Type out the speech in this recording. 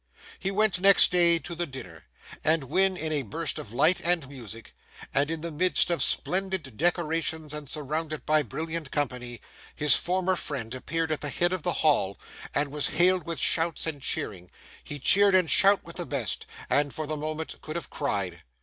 He went next day to the dinner; and when in a burst of light and music, and in the midst of splendid decorations and surrounded by brilliant company, his former friend appeared at the head of the Hall, and was hailed with shouts and cheering, he cheered and shouted with the best, and for the moment could have cried.